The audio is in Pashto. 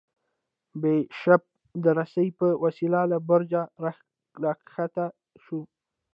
بیشپ د رسۍ په وسیله له برجه راکښته شو.